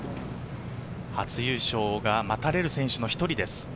初優勝が待たれる選手の一人です。